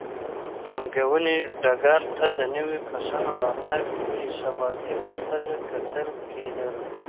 پانګونې ډګر ته د نویو کسانو راتګ ته بې ثباتۍ په سترګه کتل کېدل.